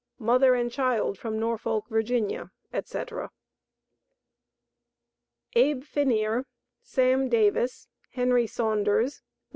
MOTHER AND CHILD FROM NORFOLK, VA., ETC. ABE FINEER, SAM DAVIS, HENRY SAUNDERS, WM.